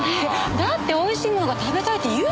だって美味しいものが食べたいって言うからじゃん。